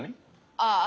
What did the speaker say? ああ。